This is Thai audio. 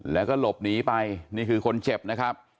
แล้วก็หลบหนีไปนี่คือคนเจ็บนะครับ